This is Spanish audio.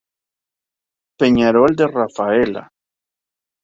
Peñarol de Rafaela